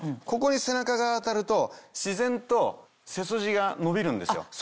ここに背中が当たると自然と背筋が伸びるんですよ。